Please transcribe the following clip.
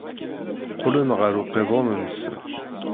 Qqlen ɣer uqiḍun-nsen.